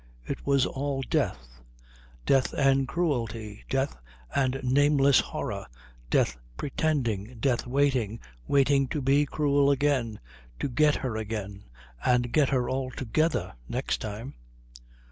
It was all death. Death and cruelty. Death and nameless horror. Death pretending, death waiting, waiting to be cruel again, to get her again, and get her altogether next time.